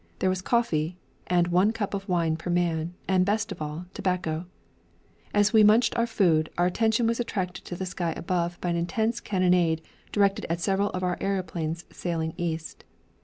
There was coffee, and one cup of wine per man, and, best of all, tobacco. As we munched our food, our attention was attracted to the sky above by an intense cannonade directed against several of our aeroplanes sailing east.